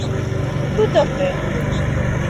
Tout à fait.